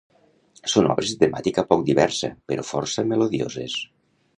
Són obres de temàtica poc diversa però força melodioses.